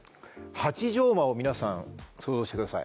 ８畳間を皆さん想像してください。